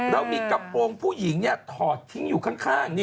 แล้วมีกระโปรงผู้หญิงนี่ถอดทิ้งอยู่ข้างนี่ไง